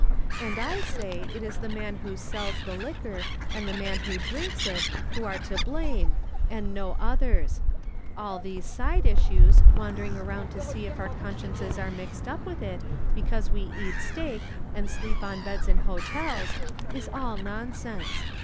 And I say it is the man who sells the liquor, and the man who drinks it, who are to blame, and no others. All these side issues, wandering around to see if onr consciences are mixed "up with it, because we eat steak, and sleep on beds in hotels, is all nonsense.